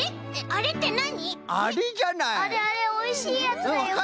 あれあれおいしいやつだよ。